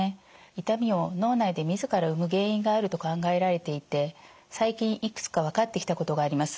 痛みを脳内で自ら生む原因があると考えられていて最近いくつか分かってきたことがあります。